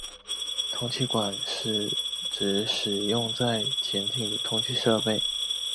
通气管是指使用在潜艇的通气设备。